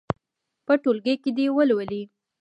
په ټولګي کې دې یې ولولي.